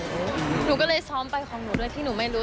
หนูก็เลยซ้อมไปของหนูโดยที่หนูไม่รู้